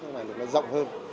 để nó rộng hơn